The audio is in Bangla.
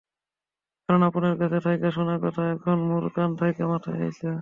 কারণ আপনের কাছ থাইকা শোনা কথা এখন মোর কান থাইকা মাথায় আইছে।